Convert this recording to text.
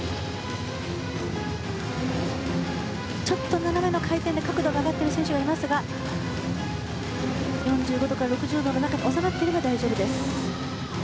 ちょっと斜めの回転で角度が上がっている選手がいますが４５度から６０度の中に収まっていれば大丈夫です。